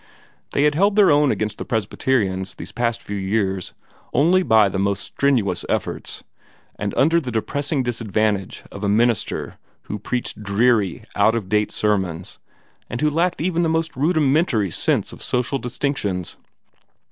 They had held their own against the Presbyterians these past few years only by the most strenuous efforts, and under the depressing disadvantage of a minister who preached dreary out of date sermons, and who lacked even the most rudimentary sense of social distinctions.